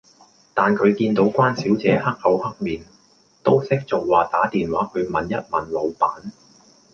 但佢見到關小姐黑口黑面，都識做話打電話去問一問老闆